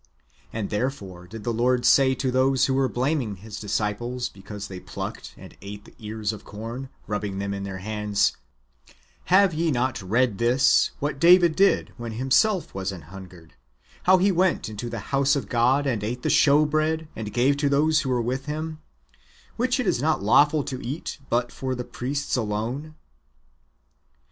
And therefore did the Lord say to those who were blaming His disciples because they plucked and ate the ears of corn, rubbing them in their hands, " Have ye not read this, what David did, when himself was an hungered ; how he went into the house of God, and ate the shew bread, and gave to those who w^ere with him ; which it is not lawful to eat, but for the priests alone?